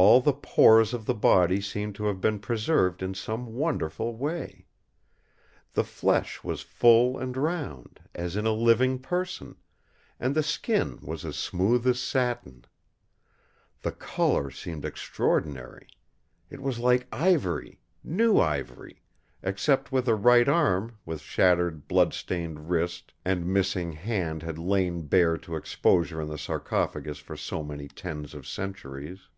All the pores of the body seemed to have been preserved in some wonderful way. The flesh was full and round, as in a living person; and the skin was as smooth as satin. The colour seemed extraordinary. It was like ivory, new ivory; except where the right arm, with shattered, blood stained wrist and missing hand had lain bare to exposure in the sarcophagus for so many tens of centuries.